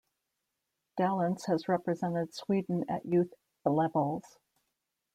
Dalence has represented Sweden at youth levels.